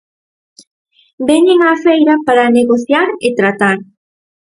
Veñen á feira para negociar e tratar.